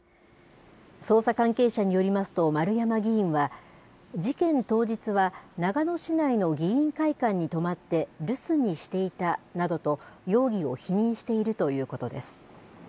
捜査関係者によりますと、丸山議員は、事件当日は、長野市内の議員会館に泊まって、留守にしていたなどと、容疑を否認しているということです。